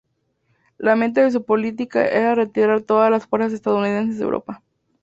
La meta de su política era retirar todas las fuerzas estadounidenses de Europa.